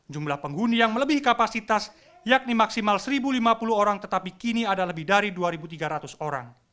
jumlah penghuni yang melebihi kapasitas yakni maksimal satu lima puluh orang tetapi kini ada lebih dari dua tiga ratus orang